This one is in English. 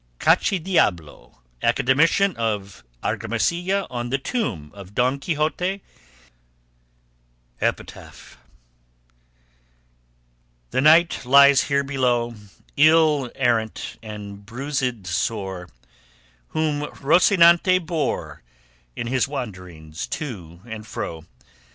CACHIDIABLO, ACADEMICIAN OF ARGAMASILLA, ON THE TOMB OF DON QUIXOTE EPITAPH The knight lies here below, Ill errant and bruised sore, Whom Rocinante bore In his wanderings to and fro.